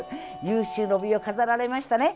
有終の美を飾られましたね。